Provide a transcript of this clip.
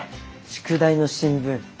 宿題の新聞